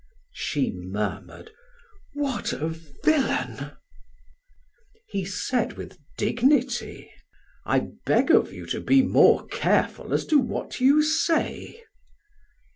She murmured: "What a villain!" He said with dignity: "I beg of you to be more careful as to what you say."